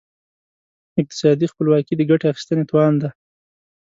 اقتصادي خپلواکي د ګټې اخیستنې توان دی.